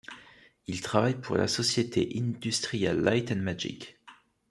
Il travaille pour la société Industrial Light & Magic.